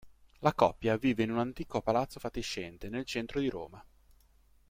La coppia vive in un antico palazzo fatiscente nel centro di Roma.